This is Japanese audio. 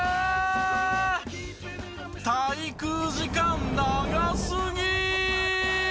滞空時間長すぎ！